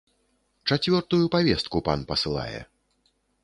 Чацвёртую павестку пан пасылае.